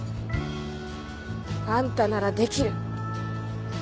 あんたならできる。